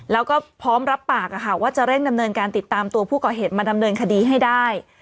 แล้วก็พร้อมรับปากว่าจะเร่งดำเนินการติดตามตัวผู้ก่อเหตุมาดำเนินคดีให้ได้